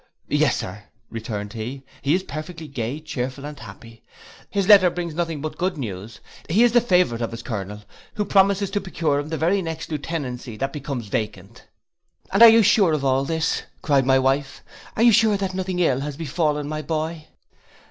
'—'Yes, sir,' returned he, 'he is perfectly gay, chearful, and happy. His letter brings nothing but good news; he is the favourite of his colonel, who promises to procure him the very next lieutenancy that becomes vacant!' 'And are you sure of all this,' cried my wife, 'are you sure that nothing ill has befallen my boy?